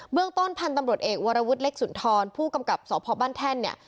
เรื่องต้นพันธุ์ตำรวจเอกวรวุฒิเล็กสุนทรผู้กำกับสพบ้านแท่นเนี่ย